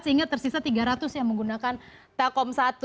sehingga tersisa tiga ratus yang menggunakan telkom satu